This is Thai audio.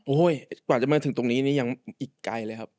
กว่าจะมาถึงตรงนี้นี่ยังอีกไกลเลยครับ